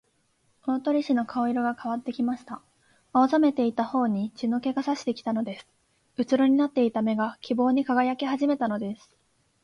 大鳥氏の顔色がかわってきました。青ざめていたほおに血の気がさしてきたのです。うつろになっていた目が、希望にかがやきはじめたのです。